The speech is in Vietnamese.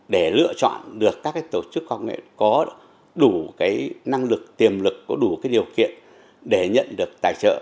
để lựa chọn được các cái tổ chức khoa học công lập có đủ cái năng lực tiềm lực có đủ cái điều kiện để nhận được tài trợ